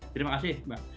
terima kasih mbak